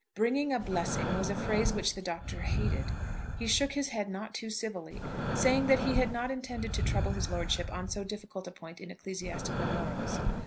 "Bringing a blessing" was a phrase which the Doctor hated. He shook his head not too civilly, saying that he had not intended to trouble his lordship on so difficult a point in ecclesiastical morals.